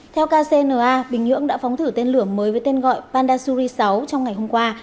theo kcna bình nhưỡng đã phóng thử tên lửa mới với tên gọi pandasuri sáu trong ngày hôm qua